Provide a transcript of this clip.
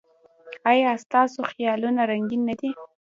ایا ستاسو خیالونه رنګین نه دي؟